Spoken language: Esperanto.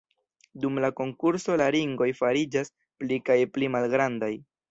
Dum la konkurso la ringoj fariĝas pli kaj pli malgrandaj.